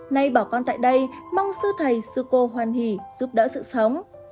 nay bỏ con tại đây mong sư thầy sư cô hoan hỷ giúp đỡ sự sống